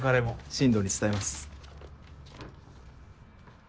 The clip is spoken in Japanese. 進藤に伝えます。